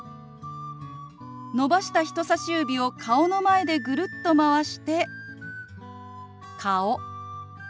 伸ばした人さし指を顔の前でぐるっとまわして「顔」。